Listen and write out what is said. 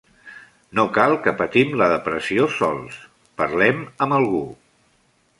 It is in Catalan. No cal que patim la depressió sols, parlem amb algú.